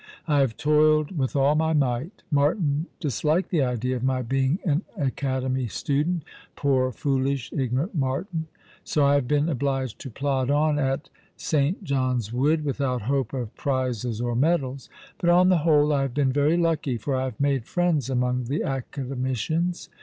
I have toiled with all my might. Martin dis liked the idea of my being an Academy student — poor, foolish, ignorant Martin — so I have been obliged to plod on at St. John's Wood, without hope of prizes or medals; but on the whole I haye been very lucky, for I have made friends among the Academicians.